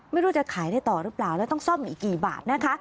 ไม่รู้จะขายได้ต่อหรือเปล่าแล้วต้องซ่อมอีกกี่บาทนะคะ